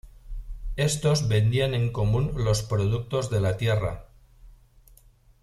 Estos vendían en común los productos de la tierra.